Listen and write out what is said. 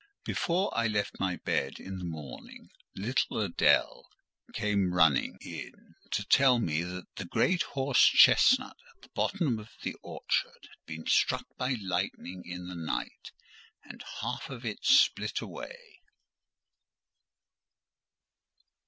Before I left my bed in the morning, little Adèle came running in to tell me that the great horse chestnut at the bottom of the orchard had been struck by lightning in the night, and half of it split away.